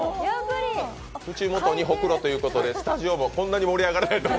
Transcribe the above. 口元にほくろということでスタジオもこんなに盛り上がらないとは。